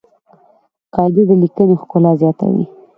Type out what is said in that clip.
قاعده د لیکني ښکلا زیاتوي.